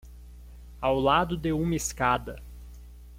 Ao lado de uma escada